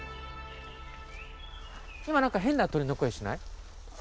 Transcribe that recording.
今なんかへんな鳥の声しない？